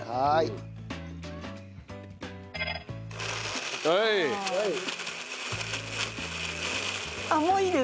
はい！